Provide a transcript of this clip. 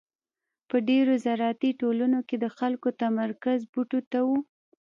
په ډېرو زراعتي ټولنو کې د خلکو تمرکز بوټو ته و.